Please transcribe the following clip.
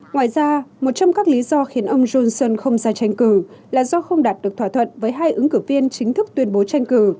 ngoài ra một trong các lý do khiến ông johnson không ra tranh cử là do không đạt được thỏa thuận với hai ứng cử viên chính thức tuyên bố tranh cử